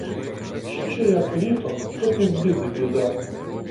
Ще як літо, то півбіди біда.